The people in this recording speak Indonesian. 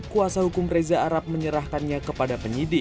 kuasa hukum reza arab menyerahkannya kepada penyidik